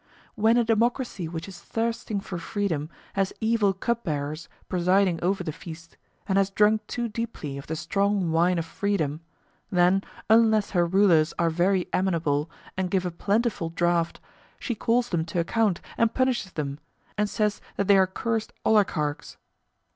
When a democracy which is thirsting for freedom has evil cup bearers presiding over the feast, and has drunk too deeply of the strong wine of freedom, then, unless her rulers are very amenable and give a plentiful draught, she calls them to account and punishes them, and says that they are cursed oligarchs.